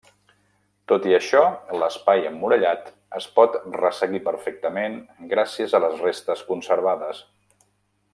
Tot i això l'espai emmurallat es pot resseguir perfectament gràcies a les restes conservades.